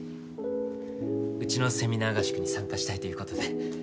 うちのセミナー合宿に参加したいという事で。